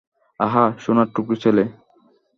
আহা, সোনার টুকরো ছেলে!